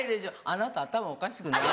あなた頭おかしくない？